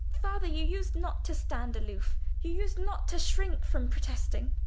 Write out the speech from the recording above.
Father, you used not to stand aloof: you used not to shrink from protesting.